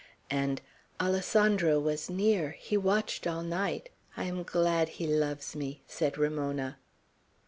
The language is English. And, "Alessandro was near. He watched all night. I am glad he loves me," said Ramona.